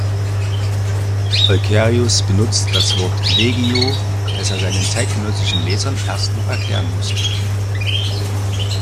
Eucherius benutzt das Wort "legio", das er seinen zeitgenössischen Lesern erst noch erklären musste.